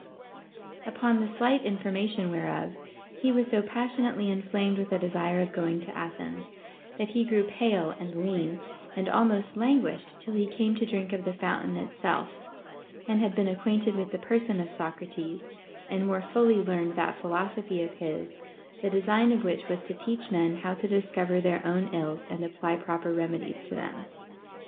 XL 278. 428 OF INQUISITIVENESS upon the slight information whereof, he was so passion ately inflamed with a desire of going to Athens, that he grew pale and lean, and almost languished till he came to drink of the fountain itself, and had been acquainted with the person of Socrates, and more fully learned that philo sophy of his, the design of which was to teach men how to discover their own ills and apply proper remedies to them.